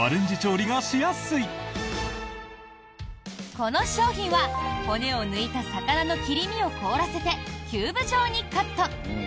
この商品は骨を抜いた魚の切り身を凍らせてキューブ状にカット。